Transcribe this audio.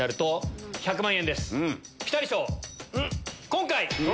今回。